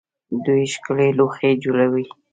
دوی ښکلي لوښي جوړوي.